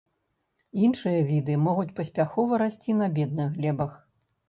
Іншыя віды могуць паспяхова расці на бедных глебах.